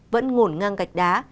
vẫn ngổn ngang gạch đá